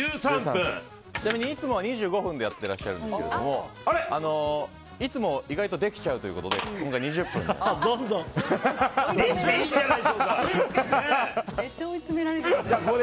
ちなみにいつもは２５分でやってらっしゃるんですけれどもいつも意外とできちゃうということでできていいじゃないですか！